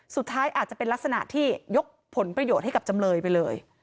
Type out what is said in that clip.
สุดท้ายอาจจะเป็นลักษณะที่ยกผลประโยชน์ให้กับจำเลยไปเลย